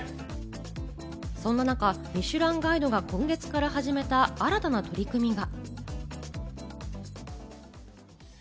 そんな中『ミシュランガイド』が今月から始めた新たな取り組みが。